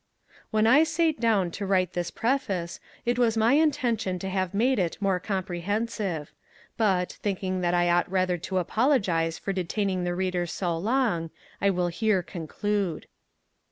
When I sate down to write this Preface, it was my intention to have made it more comprehensive; but, thinking that I ought rather to apologize for detaining the reader so long, I will here conclude.